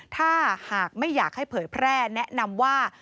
ถ้าหากไม่อยากให้เผยแพร่แนะนำว่า